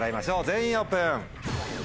全員オープン！